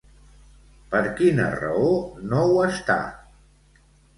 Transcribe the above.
Per quina raó no ho està?